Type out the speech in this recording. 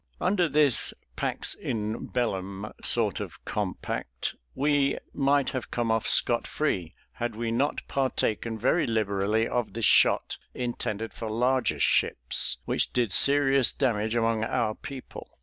Under this pax in bellum sort of compact we might have come off scot free, had we not partaken very liberally of the shot intended for larger ships, which did serious damage among our people.